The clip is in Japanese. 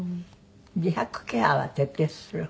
美白ケアは徹底する方？